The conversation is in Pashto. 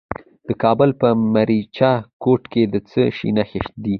د کابل په میربچه کوټ کې د څه شي نښې دي؟